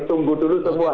tunggu dulu semua